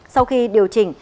sau khi điều chỉnh